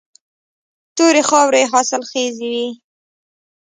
تورې خاورې حاصلخیزې وي.